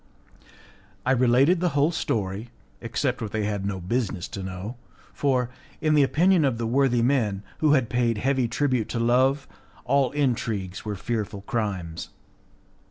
I related the whole story, except what they had no business to know, for, in the opinion of the worthy men, who had paid heavy tribute to Love, all intrigues were fearful crimes.